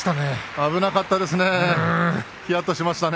危なかったですね